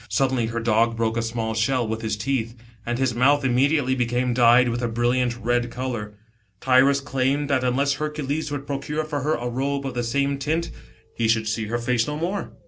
Suddenly her dog broke a small shell with his teeth, and his mouth immediately became dyed with ^ brilliant red colour. Tyros declared that unless Hercules 1 See chapter 12. 48 DEATH OF HIBAM. would procure for her* a robe of the same tint, he should see ner face no more.